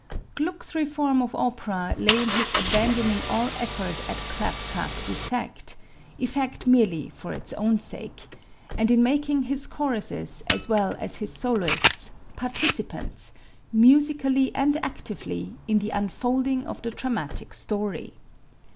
Gluck's reform of opera lay in his abandoning all effort at claptrap effect effect merely for its own sake and in making his choruses as well as his soloists participants, musically and actively, in the unfolding of the dramatic story.